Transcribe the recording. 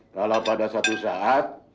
kalau pada satu saat